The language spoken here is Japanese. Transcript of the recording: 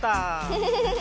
フフフフフ！